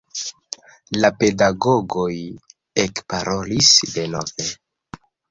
La pedagogoj ekparolis denove.